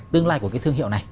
tương lai của cái thương hiệu này